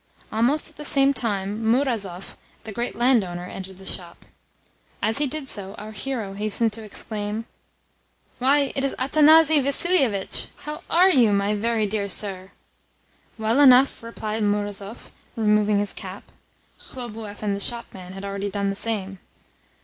Almost at the same time Murazov, the great landowner, entered the shop. As he did so our hero hastened to exclaim: "Why, it is Athanasi Vassilievitch! How ARE you, my very dear sir?" "Well enough," replied Murazov, removing his cap (Khlobuev and the shopman had already done the same).